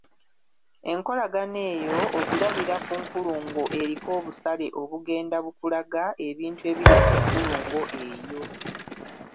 Enkolagana eyo ogirabira ku nkulungo eriko obusale obugenda bukulaga, ebintu ebiri ku nkulungo eyo.